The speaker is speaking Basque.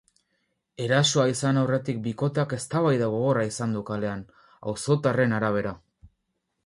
Erasoa izan aurretik bikoteak eztabaida gogorra izan du kalean, auzotarren arabera.